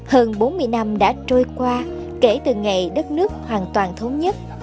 hơn bốn mươi năm đã trôi qua kể từ ngày đất nước hoàn toàn thống nhất